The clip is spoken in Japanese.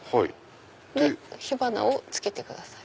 火花を付けてください。